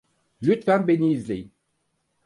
Lütfen beni izleyin.